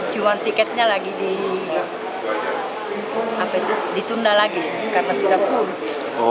cuma tiketnya lagi ditunda lagi karena sudah full